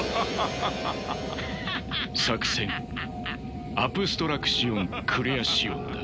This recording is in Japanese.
作戦アプストラクシオン・クレアシオンだ。